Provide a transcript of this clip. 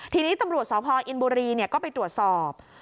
ทีนี้ตำรวจสพอินบุรีก็ไปตรวจสอบ